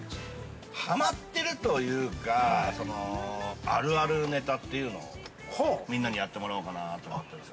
はまってるというか、あるあるネタっていうのをみんなにやってもらおうかなと思ってます。